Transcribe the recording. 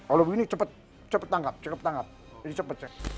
kalau begini cepat tangkap